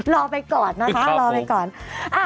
รอไปก่อนนะคะรอไปก่อนครับผม